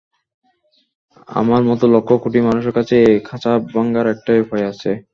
আমার মতো লক্ষ-কোটি মানুষের কাছে, এই খাঁচা ভাঙার একটাই উপায় আছে।